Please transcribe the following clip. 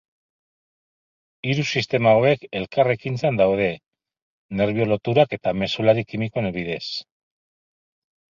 Hiru sistema hauek elkarrekintzan daude nerbio-loturak eta mezulari kimikoen bidez.